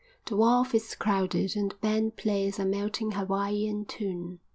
The wharf is crowded and the band plays a melting Hawaiian tune.